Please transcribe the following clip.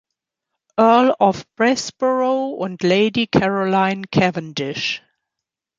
Earl of Bessborough und Lady Caroline Cavendish.